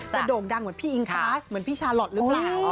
โด่งดังเหมือนพี่อิงฟ้าเหมือนพี่ชาลอทหรือเปล่า